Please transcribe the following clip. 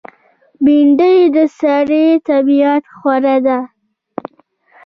بېنډۍ د سړي طبیعت خوړه ده